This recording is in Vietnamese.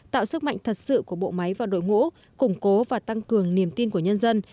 tạo sức mạnh thật sự của bộ máy và đội ngũ củng cố và tăng cường niềm tin của nhân dân